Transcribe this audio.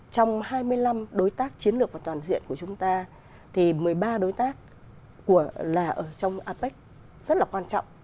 trong hai mươi năm đối tác chiến lược và toàn diện của chúng ta thì một mươi ba đối tác là ở trong apec rất là quan trọng